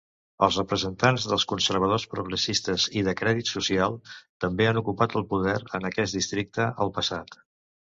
Els representants dels Conservadors Progressistes i de Credit Social també han ocupat el poder en aquest districte al passat.